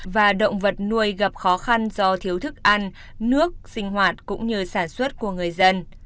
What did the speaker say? và động vật nuôi gặp khó khăn do thiếu thức ăn nước sinh hoạt cũng như sản xuất của người dân